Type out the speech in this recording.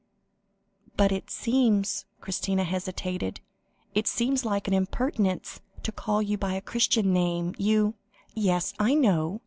"But it seems" Christina hesitated "it seems like impertinence, to call you by a Christian name. You " "Yes, I know.